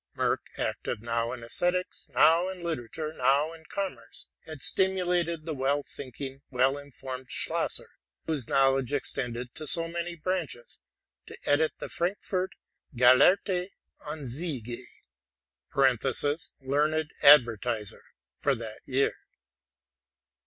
Merck, active now in esthetics, now in 'iterature, now in commerce, had stimulated the well thinking, well informed Schlosser, whose knowledge extended to so many branches, to edit the Frankfort '' Gelehrte Anzeige "'('* Learned Advertiser '') for that year.